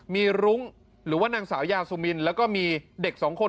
มีรุ้งหรือว่านางสาวยาซูมินแล้วก็มีเด็กสองคน